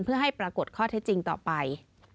เพื่อให้ปรากฏข้อเท็จจริงต่อไป